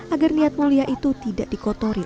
agar niat mulia itu tidak dikotori